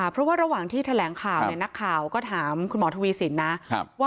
เพราะว่าระหว่างที่แถลงข่าวนักข่าวก็ถามคุณหมอทวีสินนะว่า